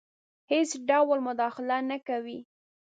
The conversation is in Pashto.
هیڅ ډول مداخله نه کوي.